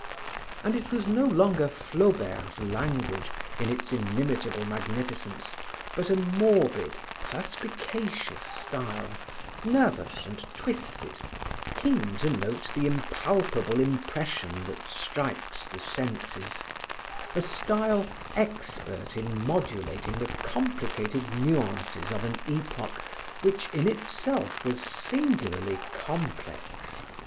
And it was no longer Flaubert's language in its inimitable magnificence, but a morbid, perspicacious style, nervous and twisted, keen to note the impalpable impression that strikes the senses, a style expert in modulating the complicated nuances of an epoch which in itself was singularly complex.